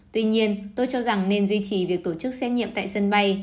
tuy nhiên tôi cho rằng nên duy trì việc tổ chức xét nghiệm tại sân bay